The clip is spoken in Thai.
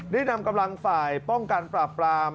ได้นำกำลังฝ่ายป้องกันปราบปราม